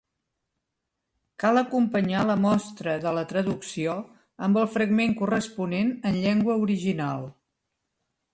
Cal acompanyar la mostra de la traducció amb el fragment corresponent en llengua original.